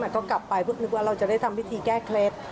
ก็กลับไปเพื่อนึกว่าเราจะได้ทำพิธีแก้เคล็ด